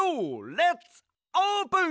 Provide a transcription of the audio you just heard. レッツオープン！